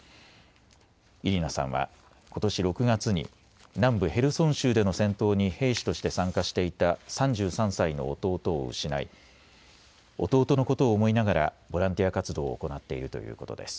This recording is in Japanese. イリナさんはことし６月に南部ヘルソン州での戦闘に兵士として参加していた３３歳の弟を失い弟のことを思いながらボランティア活動を行っているということです。